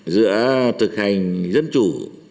giữa thực hành dân chủ